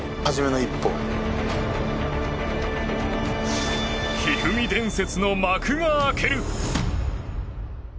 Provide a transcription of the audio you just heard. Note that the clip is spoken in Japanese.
一二三伝説の幕が開ける。